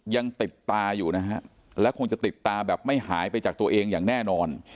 ยังติดตาอยู่นะฮะและคงจะติดตาแบบไม่หายไปจากตัวเองอย่างแน่นอน